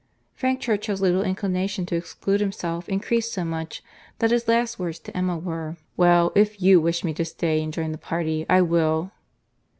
Frank Churchill's little inclination to exclude himself increased so much, that his last words to Emma were, "Well;—if you wish me to stay and join the party, I will."